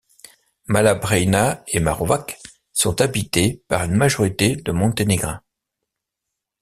Mala Braina et Marovac sont habités par une majorité de Monténégrins.